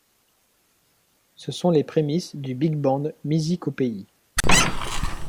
Ce sont les prémices du big band MizikOpéyi.